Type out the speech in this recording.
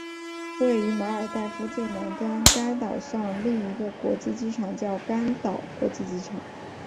位于马尔代夫最南端甘岛上另一个国际机场叫甘岛国际机场。